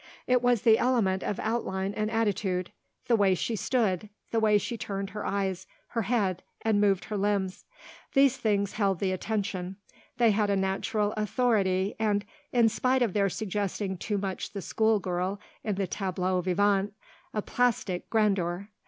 It was the element of outline and attitude, the way she stood, the way she turned her eyes, her head, and moved her limbs. These things held the attention; they had a natural authority and, in spite of their suggesting too much the school girl in the tableau vivant, a "plastic" grandeur.